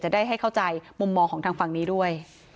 ได้ให้เข้าใจมุมมองของทางฝั่งนี้ด้วย